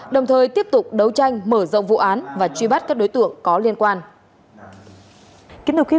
đồng thời tiếp tục đấu tranh mở rộng vụ án và truy bắt các đối tượng có liên quan